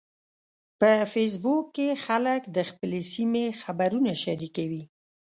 په فېسبوک کې خلک د خپلې سیمې خبرونه شریکوي